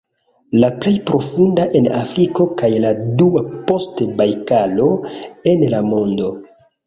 La plej profunda en Afriko kaj la dua post Bajkalo en la mondo.